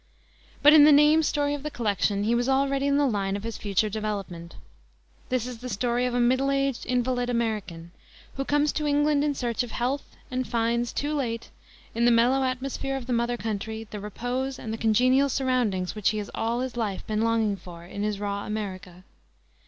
But in the name story of the collection he was already in the line of his future development. This is the story of a middle aged invalid American, who comes to England in search of health, and finds, too late, in the mellow atmosphere of the mother country, the repose and the congenial surroundings which he has all his life been longing for in his raw America.